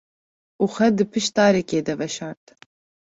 Û xwe di piş darekê de veşart.